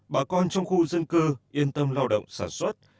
bà con trong khu dân cư yên tâm lao động sản xuất